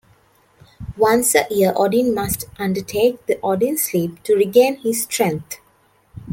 Once a year Odin must undertake the Odinsleep to regain his strength.